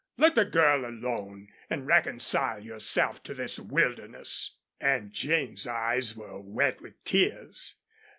Let the girl alone an' reconcile yourself to this wilderness." Aunt Jane's eyes were wet with tears.